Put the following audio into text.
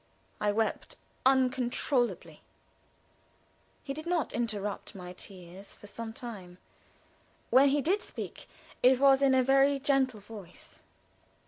I wept uncontrollably. He did not interrupt my tears for some time. When he did speak, it was in a very gentle voice.